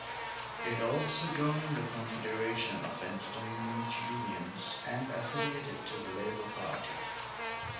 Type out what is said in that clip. It also joined the Confederation of Entertainment Unions and affiliated to the Labour Party.